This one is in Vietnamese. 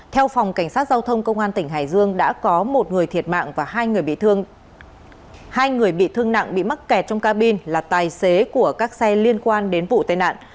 theo phòng cảnh sát giao thông công an tỉnh hải dương đã có một người thiệt mạng và hai người bị thương hai người bị thương nặng bị mắc kẹt trong cabin là tài xế của các xe liên quan đến vụ tai nạn